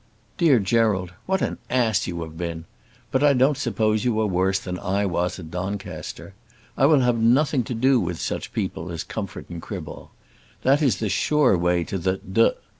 DEAR GERALD, What an ass you have been! But I don't suppose you are worse than I was at Doncaster. I will have nothing to do with such people as Comfort and Criball. That is the sure way to the D